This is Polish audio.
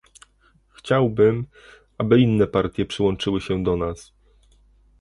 Chciałbym, aby inne partie przyłączyły się do nas